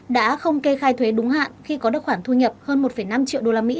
đã không kê khai thuế đúng hạn khi có được khoản thu nhập hơn một năm triệu usd